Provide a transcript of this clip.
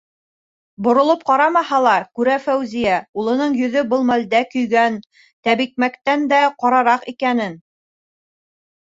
- Боролоп ҡарамаһа ла, күрә Фәүзиә: улының йөҙө был мәлдә көйгән тәбикмәктән дә ҡарараҡ икәнен.